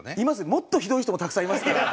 もっとひどい人もたくさんいますから。